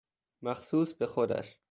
مخصوص به خودش